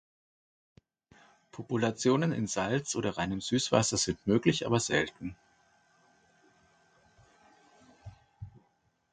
Populationen in Salz- oder reinem Süßwasser sind möglich, aber selten.